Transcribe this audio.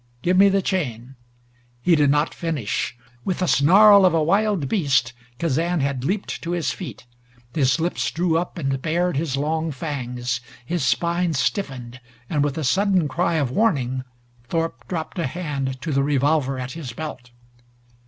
Give me the chain " He did not finish. With the snarl of a wild beast Kazan had leaped to his feet. His lips drew up and bared his long fangs. His spine stiffened, and with a sudden cry of warning, Thorpe dropped a hand to the revolver at his belt.